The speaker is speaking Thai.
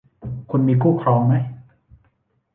คุณมีคู่ครองไหม